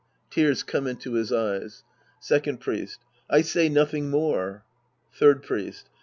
(Tears come into his eyes.) Second Priest. I say nothing more. Third Priest.